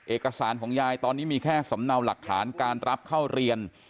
เอกสารของยายตอนนี้มีแค่สำเนาหลักฐานการรับเข้าเรียน